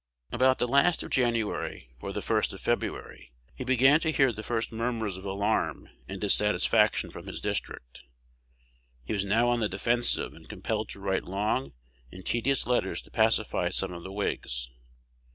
About the last of January, or the first of February, he began to hear the first murmurs of alarm and dissatisfaction from his district. He was now on the defensive, and compelled to write long and tedious letters to pacify some of the Whigs.